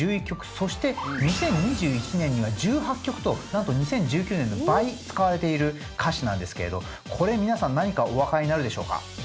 そして２０２１年には１８曲となんと２０１９年の倍使われている歌詞なんですけれどこれ皆さん何かおわかりになるでしょうか？